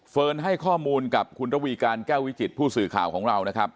ให้ข้อมูลกับคุณระวีการแก้ววิจิตผู้สื่อข่าวของเรานะครับ